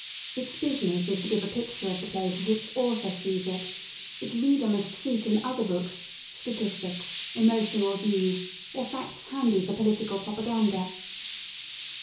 Its business is to give a picture of the place as its author sees it ; its reader must seek in other books, statistics, emotional views, or facts handy for political propaganda.